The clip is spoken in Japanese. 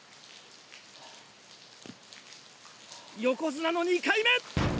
横綱の２回目！